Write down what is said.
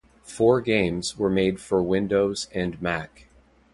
Four games were made for Windows and Mac.